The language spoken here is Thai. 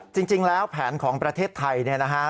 จริงแล้วแผนของประเทศไทยเนี่ยนะฮะ